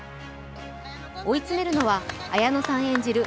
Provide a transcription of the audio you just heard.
追い詰めるのは綾野さん演じる